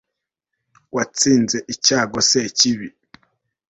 watsinze icyago sekibi